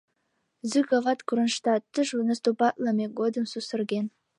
Зыковат Кронштадтыш наступатлыме годым сусырген.